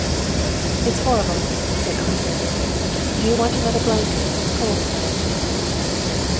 "It's horrible," said Aunt Harriet. "Do you want another blanket? It's cold to night."